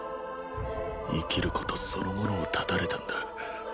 生きることそのものを絶たれたんだ